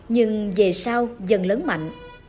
nhưng về sau dần lớn mạnh